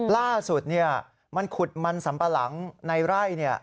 ล่าสุดเนี่ยมันขุดมันสัมปะหลังในไร่เนี่ย